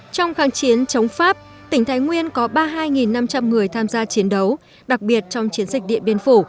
trong kháng chiến chống pháp tỉnh thái nguyên có ba mươi hai năm trăm linh người tham gia chiến đấu đặc biệt trong chiến dịch điện biên phủ